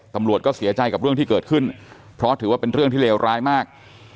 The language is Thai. ตำรวจก็เสียใจกับเรื่องที่เกิดขึ้นเพราะถือว่าเป็นเรื่องที่เลวร้ายมาก